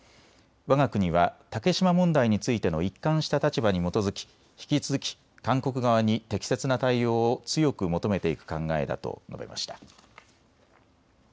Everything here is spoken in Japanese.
わが国は竹島問題についての一貫した立場に基づき引き続き韓国側に適切な対応を強く求めていく考えだと述べました。